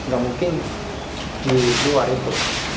nggak mungkin di luar itu